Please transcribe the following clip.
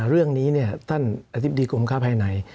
เรื่องนี้ท่านอธิบดีกรมค้าภายใน